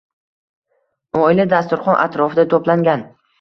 Oila dasturxon atrofida to‘plangan